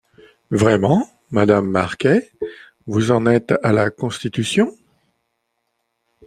Vraiment, Madame Marquet, vous en êtes à la constitution. ..